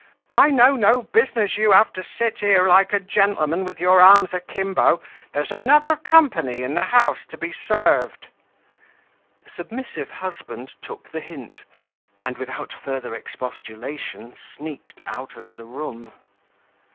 I know no business you have to sit here like a gentleman with your arms akimbo, there's another company in the house to be served." The submissive husband took the hint, and without further expostulation sneaked out of the room.